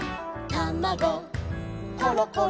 「たまごころころ」